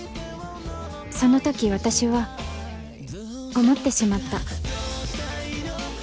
そのとき私は思ってしまった。